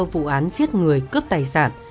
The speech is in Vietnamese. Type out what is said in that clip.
vụ án giết người cướp tài sản